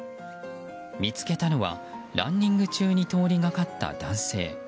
見つけたのはランニング中に通りがかった男性。